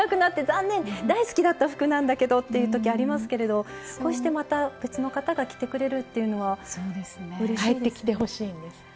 大好きだった服なんだけどっていう時ありますけれどこうしてまた別の方が着てくれるっていうのはうれしいですね。